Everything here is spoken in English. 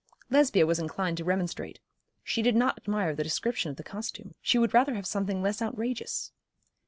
Lesbia was inclined to remonstrate. She did not admire the description of the costume, she would rather have something less outrageous.